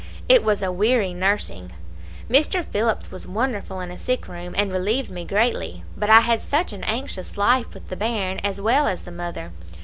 It was a weary nursing. Mr. Phillips was wonderful in a sick room, and relieved me greatly; but I had such an anxious life with the bairn as well as the mother.